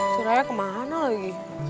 si raya kemana lagi